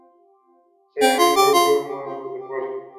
Se crean grupos, mandos y fuerzas.